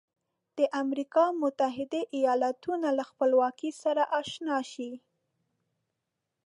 د امریکا متحده ایالتونو له خپلواکۍ سره آشنا شئ.